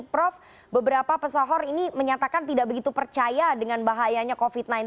prof beberapa pesohor ini menyatakan tidak begitu percaya dengan bahayanya covid sembilan belas